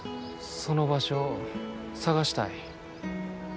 その場所を探したい。